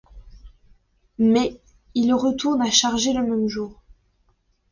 Mais, il retourne à Charge le même jour.